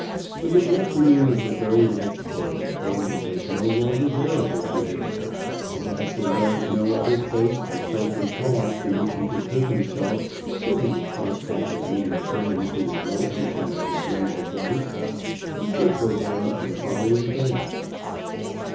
On the afternoon of the very next day London was no longer bearable to him; and as there was no other place but Croker's Hall to which he could take himself with any prospect of meeting friends who would know anything of his ways of life, he did go down on the following day.